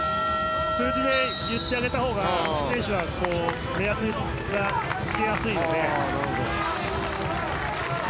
数字で言ってあげたほうが選手は目安がつけやすいので。